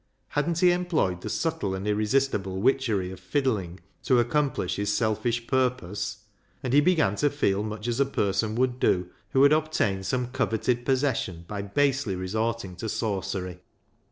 Hadn't he employed the subtle and irresistible witchery of fiddling to accomplish his selfish purpose ? And he began to feel much as a person would do who had obtained some coveted possession by basely resorting to sorcery.